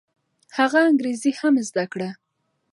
هغه انګریزي هم زده کړه.